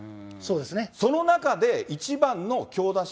その中で一番の強打者。